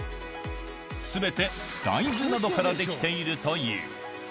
すべて大豆などから出来ているという。